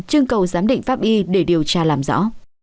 chương cầu giám định pháp y để điều tra làm rõ